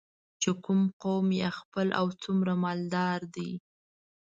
چې کوم قوم یا خیل او څومره مالداره دی.